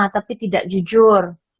tapi tidak jujur